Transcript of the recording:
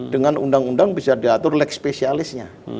dengan undang undang bisa diatur leg spesialisnya